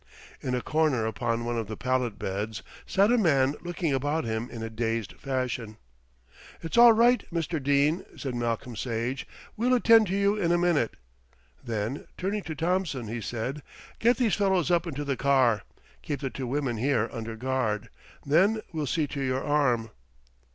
In a corner upon one of the pallet beds sat a man looking about him in a dazed fashion. "It's all right, Mr. Dene," said Malcolm Sage. "We'll attend to you in a minute." Then turning to Thompson he said, "Get these fellows up into the car. Keep the two women here under guard. Then we'll see to your arm."